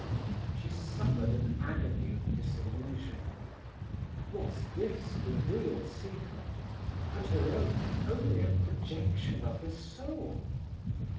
She suffered an agony of disillusion. Was this the real Siegmund, and her own only a projection of her soul?